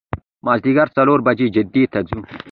د مازدیګر څلور بجې جدې ته ځو.